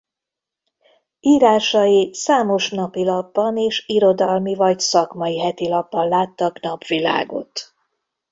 Írásai számos napilapban és irodalmi vagy szakmai hetilapban láttak napvilágot.